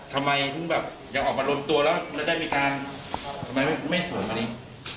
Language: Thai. ทำไมถึงแบบยังออกมารวมตัวแล้วมันได้มีการทำไมไม่สวมอันนี้